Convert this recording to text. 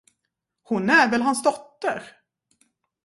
Hon är väl hans dotter?